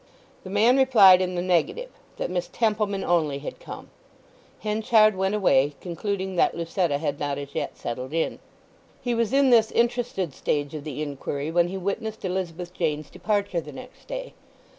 The man replied in the negative; that Miss Templeman only had come. Henchard went away, concluding that Lucetta had not as yet settled in. He was in this interested stage of the inquiry when he witnessed Elizabeth Jane's departure the next day.